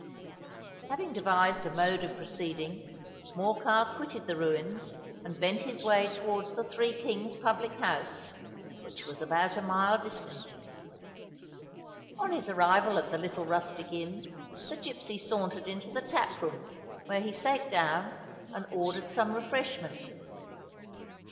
Having devised a mode of proceeding, Morcar quitted the ruins, and bent his way towards the Three Kings public house, which was about a mile distant. On his arrival at the little rustic inn, the gipsy sauntered into the tap room, where he sate down, and ordered some refreshment.